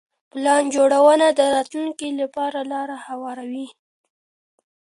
پلان جوړونه د راتلونکي لپاره لاره هواروي.